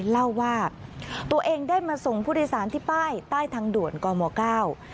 เล่าว่าตัวเองได้มาส่งผู้โดยสารที่ป้ายใต้ทางด่วนกมเก้า